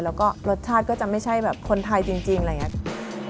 แล้วก็รสชาติก็จะไม่ใช่แบบคนไทยจริงอะไรอย่างนี้